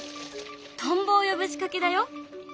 トンボを呼ぶ仕掛けだよ。